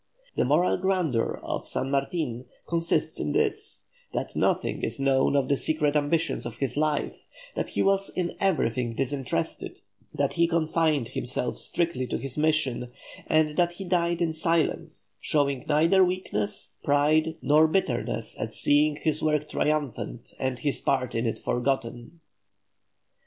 The moral grandeur of San Martin consists in this: that nothing is known of the secret ambitions of his life; that he was in everything disinterested; that he confined himself strictly to his mission; and that he died in silence, showing neither weakness, pride, nor bitterness at seeing his work triumphant and his part in it forgotten.